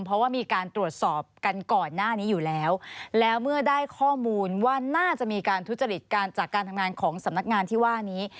เพราะว่ามีการตรวจสอบกันก่อนหน้านี้อยู่แล้วแล้วเมื่อได้ข้อมูลว่าน่าจะมีการทุจริตการจากการทำงานของสำนักงานที่ว่านี้